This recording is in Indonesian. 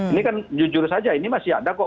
ini kan jujur saja ini masih ada kok